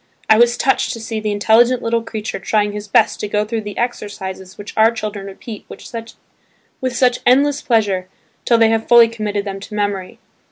I was touched to see the intelligent little creature trying his best to go through the exercises which our children repeat with such endless pleasure till they have fully committed them to memory.